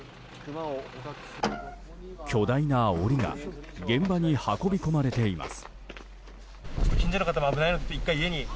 巨大な檻が現場に運び込まれています。